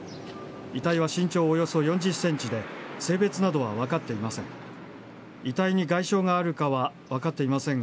遺体は身長およそ４０ｃｍで性別などは分かっていません。